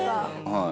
はい。